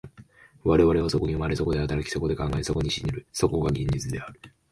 我々はそこに生まれ、そこで働き、そこで考え、そこに死ぬる、そこが現実である。